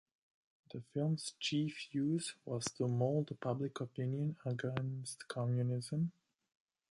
The film's chief use was to mold public opinion against communism.